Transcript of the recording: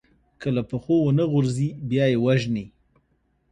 که له پښو ونه غورځي، بیا يې وژني.